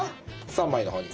３枚の方に。